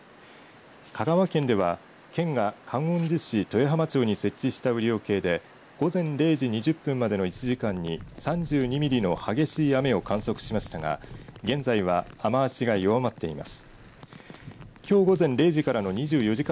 香川県では県が観音寺市豊浜町に設置した雨量計で午前０時２０分までの１時間に３２ミリの激しい雨を観測しましたが現在は雨足が弱まっています。